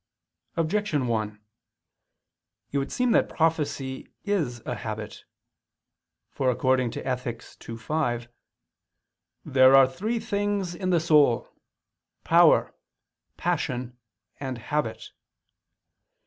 Objection 1: It would seem that prophecy is a habit. For according to Ethic. ii, 5, "there are three things in the soul, power, passion, and habit."